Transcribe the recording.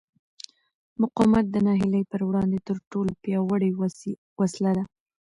مقاومت د ناهیلۍ پر وړاندې تر ټولو پیاوړې وسله ده.